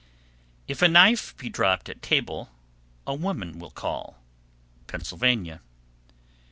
If a knife be dropped at table, a woman will call. _Pennsylvania.